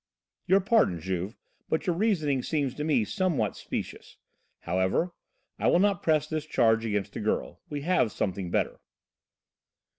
"Your pardon, Juve, but your reasoning seems to me somewhat specious; however, I will not press this charge against the girl; we have something better."